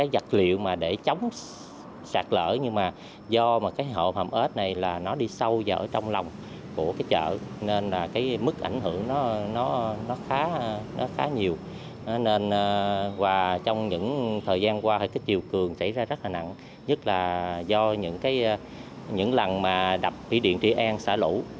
qua thì cái chiều cường xảy ra rất là nặng nhất là do những lần mà đập bị điện trị an xả lũ